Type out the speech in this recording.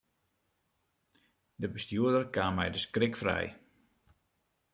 De bestjoerder kaam mei de skrik frij.